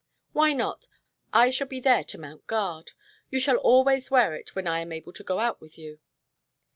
"Why not? I shall be there to mount guard. You shall always wear it when I am able to go out with you."